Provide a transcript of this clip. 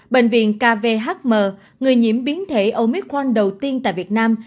bệnh viện kvhm người nhiễm biến thể omicron đầu tiên tại việt nam